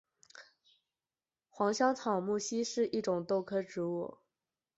黄香草木樨是一种豆科植物。